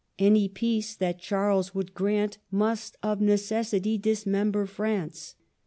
Any peace that Charles would grant must of necessity dis member France.